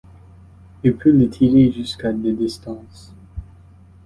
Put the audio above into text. Il peut le tirer jusqu'à de distance.